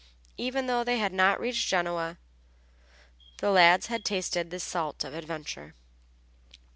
Even though they had not reached Genoa, the lads had tasted the salt of adventure.